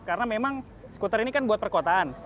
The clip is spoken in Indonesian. karena memang skuter ini kan buat perkotaan